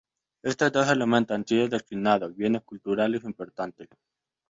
Estos dos elementos han sido designados Bienes Culturales Importantes.